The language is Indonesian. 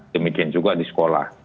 demikian juga di sekolah